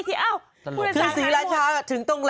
พี่เพียง